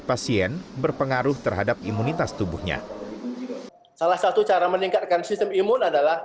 pasien berpengaruh terhadap imunitas tubuhnya salah satu cara meningkatkan sistem imun adalah